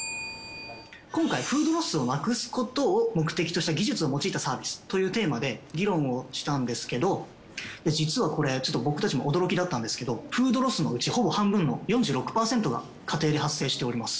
今回フードロスをなくすことを目的とした技術を用いたサービスというテーマで議論をしたんですけど実はこれちょっと僕たちも驚きだったんですけどフードロスのうちほぼ半分の４６％が家庭で発生しております。